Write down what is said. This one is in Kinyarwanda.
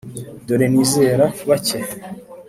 dore nizera bake.